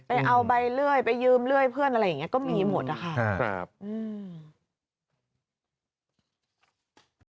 ไปเอาใบเลื่อยไปยืมเลื่อยเพื่อนอะไรอย่างนี้ก็มีหมดแล้วค่ะ